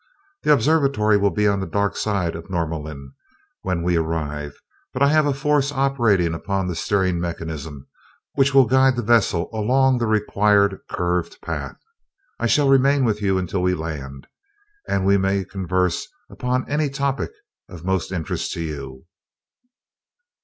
"The observatory will be upon the dark side of Norlamin when we arrive, but I have a force operating upon the steering mechanism which will guide the vessel along the required curved path. I shall remain with you until we land, and we may converse upon any topic of most interest to you."